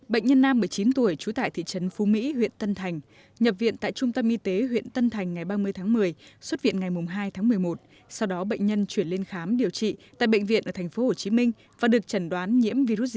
bệnh nhân nam một mươi chín tuổi trú tại thị trấn phú mỹ huyện tân thành nhập viện tại trung tâm y tế huyện tân thành ngày ba mươi tháng một mươi xuất viện ngày hai tháng một mươi một sau đó bệnh nhân chuyển lên khám điều trị tại bệnh viện ở tp hcm và được chẩn đoán nhiễm virus zi